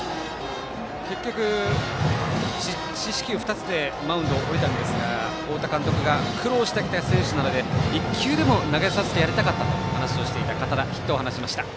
結局、四死球２つでマウンドを降りたんですが太田監督が苦労してきた選手なので１球でも投げさせてやりたかったと話をしていた堅田ヒットを放ちました。